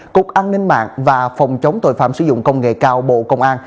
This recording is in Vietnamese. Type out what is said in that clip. cục an ninh mạng và phòng chống tội phạm sử dụng công nghệ cao bộ công an